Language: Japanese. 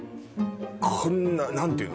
こんな何ていうの？